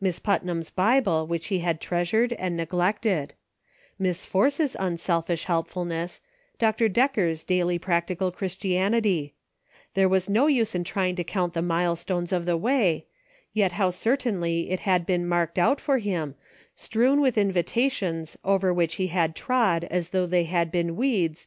Miss Putnam's Bible which he had treasured and neglected ; Miss Force's unselfish helpfulness ; Dr. Decker's daily practical Christian ity — there was no use in trying to count the mile stones of the way, yet how certainly it had been marked out for him, strewn with invitations over which he had trod as though they had been weed A NIGHT FOR DECISIONS.